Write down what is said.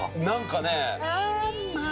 何かね。